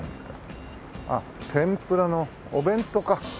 あっ天ぷらのお弁当か。